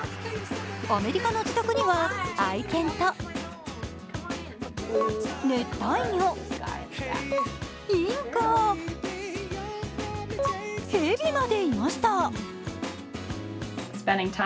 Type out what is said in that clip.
アメリカの自宅には愛犬と熱帯魚、インコ、へびまでいました。